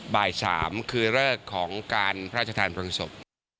บ่าย๓คือเลิกของการพระราชทานเพลิงศพ